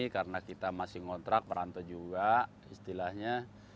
karena kita masih ngontrak merantau juga istilahnya